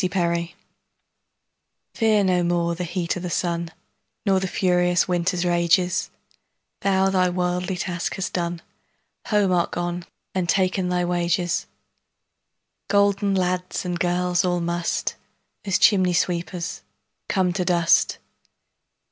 Fidele FEAR no more the heat o' the sunNor the furious winter's rages; Thou thy worldly task hast done, Home art gone and ta'en thy wages:Golden lads and girls all must, As chimney sweepers, come to dust.